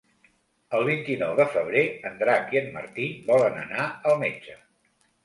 El vint-i-nou de febrer en Drac i en Martí volen anar al metge.